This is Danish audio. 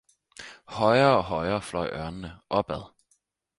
Højere og højere fløj ørnene op ad